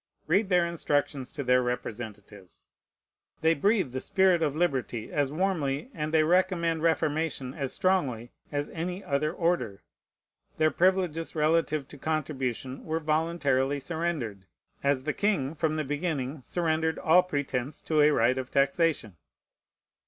Read their instructions to their representatives. They breathe the spirit of liberty as warmly, and they recommend reformation as strongly, as any other order. Their privileges relative to contribution were voluntarily surrendered; as the king, from the beginning, surrendered all pretence to a right of taxation.